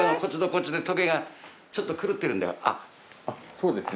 そうですね。